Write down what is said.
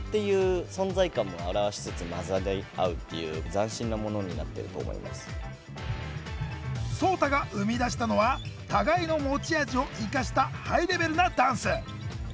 ドンとかバンっていうＳｏｔａが生み出したのは互いの持ち味を生かしたハイレベルなダンス。